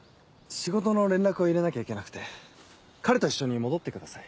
仕事の連絡を入れなきゃいけなくて彼と一緒に戻ってください。